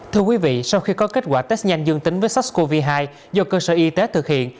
thưa quý vị sau khi có kết quả test nhanh dương tính với sars cov hai do cơ sở y tế thực hiện